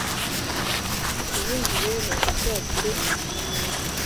Ubundi rero uzagire amasomo meza.